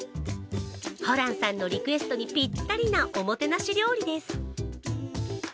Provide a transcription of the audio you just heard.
ホランさんのリクエストにぴったりな、おもてなし料理です。